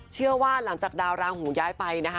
เชื่อว่าหลังจากดาวราหูย้ายไปนะคะ